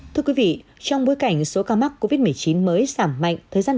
thưa quý vị trong bối cảnh số ca mắc covid một mươi chín mới giảm mạnh